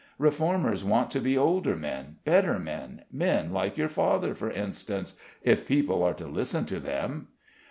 Reformers want to be older men, better men, men like your father, for instance, if people are to listen to them."